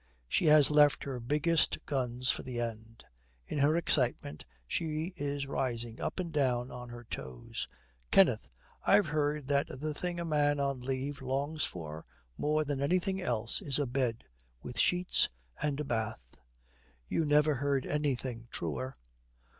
She has left her biggest guns for the end. In her excitement she is rising up and down on her toes. 'Kenneth, I've heard that the thing a man on leave longs for more than anything else is a bed with sheets, and a bath.' 'You never heard anything truer.'